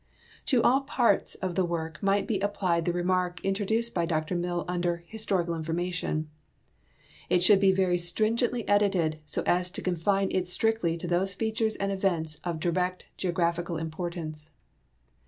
To all parts of the work might be applied the remark intro duced by Dr Mill under " historical information." It should be " very stringently edited, so as to confine it strictly to those features and events of direct geographical importance."